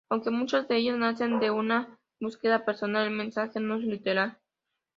Aunque muchas de ellas nacen de una búsqueda personal, el mensaje no es literal.